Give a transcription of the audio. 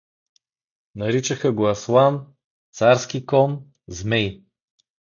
Наричаха го „аслан“, „царски кон“, „змей“.